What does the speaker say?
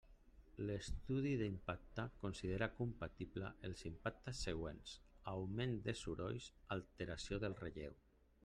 L'estudi d'impacte considera compatible els impactes següents: augment de sorolls, alteració del relleu.